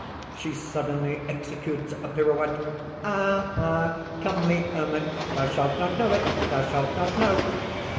(She suddenly executes a pirouette.) "Ah, ah! comely hermit, thou shalt not know it! thou shalt not know!"